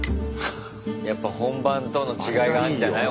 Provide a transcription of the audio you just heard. やっぱ本番との違いがあるんじゃない？